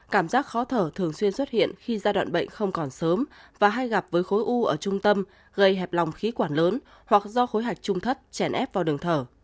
cảm giác khó thở thường xuyên xuất hiện khi giai đoạn bệnh không còn sớm và hay gặp với khối u ở trung tâm gây hẹp lòng khí quản lớn hoặc do khối hạch trung thất chèn ép vào đường thở